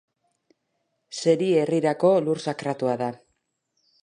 Seri herrirako lur sakratua da.